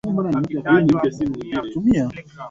Alitazama kitasa nywele za kwapa alizoweka hazikuwepo